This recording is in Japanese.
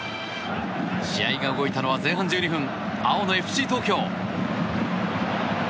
試合が動いたのは前半１２分青のＦＣ東京。